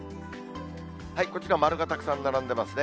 こちら丸がたくさん並んでいますね。